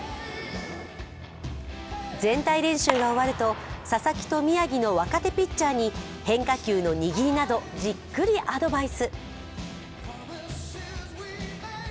全体練習が終わると、佐々木と宮城の若手ピッチャーに変化球の握りなどじっくりアドバイス。